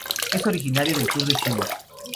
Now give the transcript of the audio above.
Es originario del sur de China.